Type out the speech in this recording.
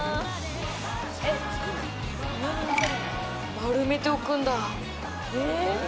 丸めて置くんだ。